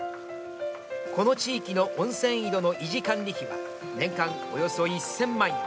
この地域の温泉井戸の維持管理費は年間およそ１０００万円